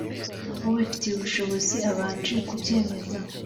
ubifitiye ubushobozi abanje kubyemeza